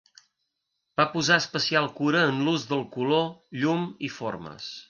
Va posar especial cura en l'ús del color, llum i formes.